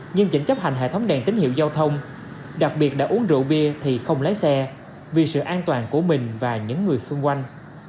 nhưng chỉnh chấp hành hệ thống đèn tín hiệu giao thông đặc biệt đã uống rượu bia thì không lái xe vì sự an toàn của mình và những người xung quanh